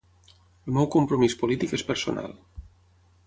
El meu compromís polític és personal.